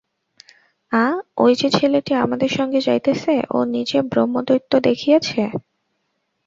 আঃ, ঐ-যে ছেলেটি আমাদের সঙ্গে যাইতেছে, ও নিজে ব্রহ্মদৈত্য দেখিয়াছে।